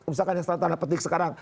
misalkan yang tanda petik sekarang